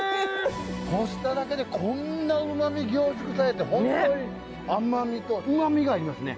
干しただけでこんなうまみ凝縮されて本当に甘みとうまみがありますね。